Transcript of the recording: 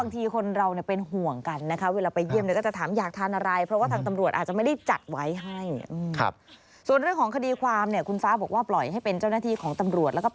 ทางครูปีชาตอบไม่ตอบ